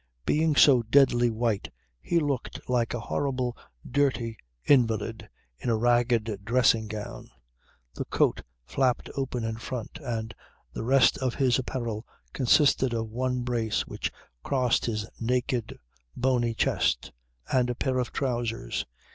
Being so deadly white he looked like a horrible dirty invalid in a ragged dressing gown. The coat flapped open in front and the rest of his apparel consisted of one brace which crossed his naked, bony chest, and a pair of trousers.